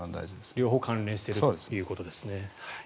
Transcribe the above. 両方関連しているということですね。